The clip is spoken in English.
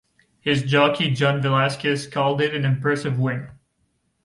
His jockey John Velazquez called it an impressive win.